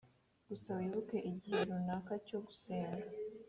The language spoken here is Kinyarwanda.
gusa wibuke igihe runaka cyo gusenga.